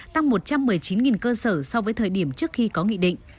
tăng một trăm một mươi chín cơ sở so với thời điểm trước khi có nghị định